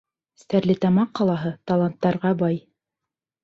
Стәрлетамаҡ ҡалаһы таланттарға бай.